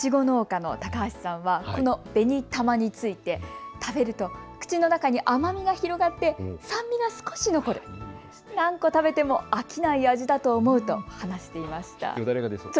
いちご農家の高橋さんはこのべにたまについて口の中に甘みが広がって酸味が少し残る、何個食べても飽きない味だと思うと話していました。